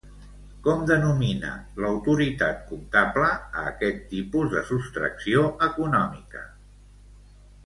Com denomina l'autoritat comptable a aquest tipus de sostracció econòmica?